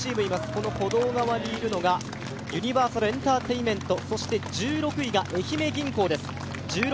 この歩道側にいるのがユニバーサルエンターテインメント、そして１６位が愛媛銀行です。